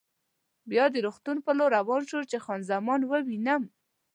بیا د روغتون په لور روان شوم چې خان زمان ووینم.